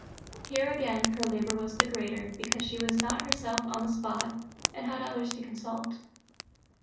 Here, again, her labour was the greater because she was not herself on the spot and had others to consult.